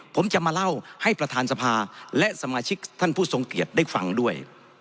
ผมจะมาเล่าให้ประธานสภาและสมาชิกท่านผู้ทรงเกียจได้ฟังด้วย